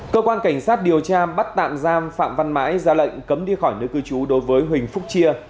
cơ quan cảnh sát điều tra bắt tạm giam phạm văn mãi ra lệnh cấm đi khỏi nơi cư trú đối với huỳnh phúc chia